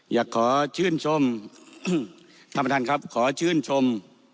อยากขอชื่นชมธรรมธรรมครับขอชื่นชม